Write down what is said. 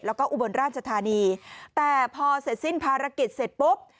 แล้วก็อุบลราชธานีแต่พอเสร็จสิ้นภารกิจเสร็จปุ๊บ